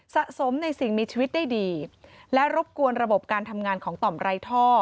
สะสมในสิ่งมีชีวิตได้ดีและรบกวนระบบการทำงานของต่อมไร้ท่อ